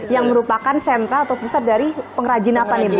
yang merupakan sentra atau pusat dari pengrajin apa nih bu